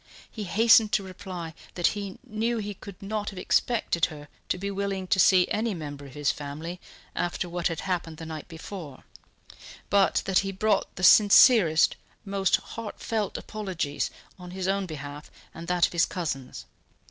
He hastened to reply that he knew he could not have expected her to be willing to see any member of his family after what had happened the night before, but that he brought the sincerest, most heartfelt apologies on his own behalf and that of his cousins.